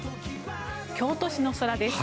京都市の空です。